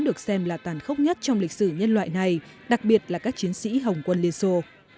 được xem là tàn khốc nhất trong lịch sử nhân loại này đặc biệt là các chiến sĩ hồng quân liên xô